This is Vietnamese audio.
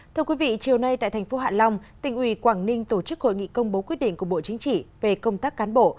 thưa quý vị chiều nay tại thành phố hạ long tỉnh ủy quảng ninh tổ chức hội nghị công bố quyết định của bộ chính trị về công tác cán bộ